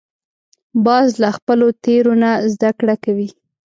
باز له خپلو تېرو نه زده کړه کوي